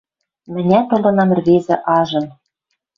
Мӹнят ылынам ӹрвезӹ ажын